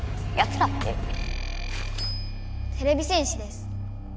てれび戦士です。